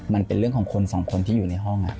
มันเป็นเรื่องของคนสองคนที่อยู่ในห้อง